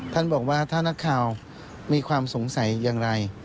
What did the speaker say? ท่านบอกว่าถ้านักข่าวมีความสงสัยอย่างไร